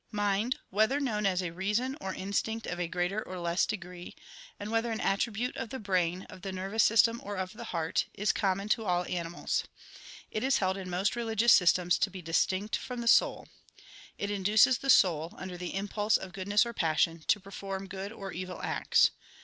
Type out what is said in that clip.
1 Mind, whether known as reason or instinct of a greater or less degree, and whether an attribute of the brain, of the nervous system, or of the heart, is common to all animals. It is held in most religious systems to be distinct from the soul. 2 It induces the soul, under the impulse of goodness or passion, to perform good or evil acts.